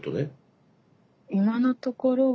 今のところは。